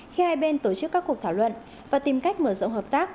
khi hai bên tổ chức các cuộc thảo luận và tìm cách mở rộng hợp tác